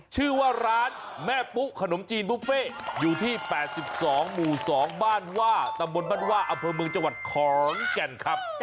ชื่อว่าร้านแม่ปุ๊ขนมจีนบุฟเฟ่อยู่ที่๘๒หมู่๒บ้านว่าตำบลบ้านว่าอำเภอเมืองจังหวัดขอนแก่นครับ